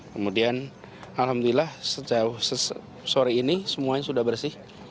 kemudian alhamdulillah sejauh sore ini semuanya sudah bersih